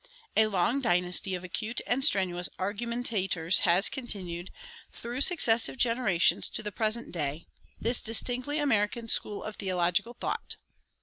A long dynasty of acute and strenuous argumentators has continued, through successive generations to the present day, this distinctly American school of theological thought.